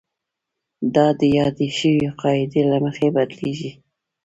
دا د یادې شوې قاعدې له مخې بدلیږي.